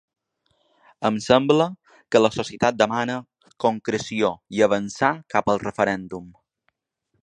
Ens sembla que la societat demana concreció i avançar cap al referèndum.